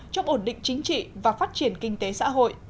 trong ổn định chính trị và phát triển kinh tế xã hội